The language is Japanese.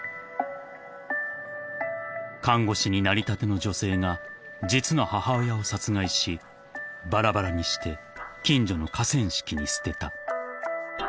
［看護師になりたての女性が実の母親を殺害しばらばらにして近所の河川敷に捨てた］